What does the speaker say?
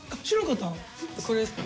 これですか？